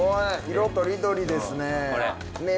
色とりどりですね。